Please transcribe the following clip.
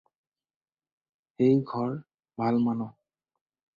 সেই ঘৰ ভাল মানুহ